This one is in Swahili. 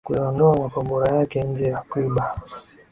kuyaondoa makombora yake nje ya Cuba